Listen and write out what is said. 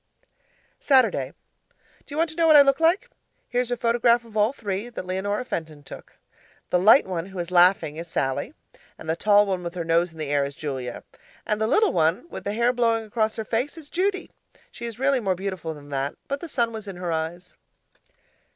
Saturday Do you want to know what I look like? Here's a photograph of all three that Leonora Fenton took. The light one who is laughing is Sallie, and the tall one with her nose in the air is Julia, and the little one with the hair blowing across her face is Judy she is really more beautiful than that, but the sun was in her eyes.